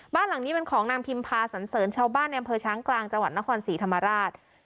บ้านหลังนี้เป็นของนางพิมพาสันเสริญชาวบ้านในอำเภอช้างกลางจังหวัดนครศรีธรรมราช